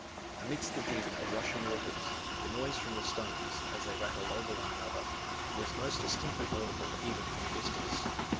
Amidst the din of rushing waters, the noise from the stones, as they rattled one over another, was most distinctly audible even from a distance.